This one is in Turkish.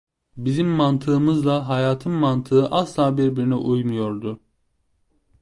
Bizim mantığımızla hayatın mantığı asla birbirine uymuyordu.